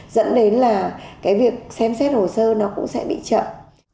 dẫn đến là cái việc xem xét hồ sơ nó cũng sẽ bị chậm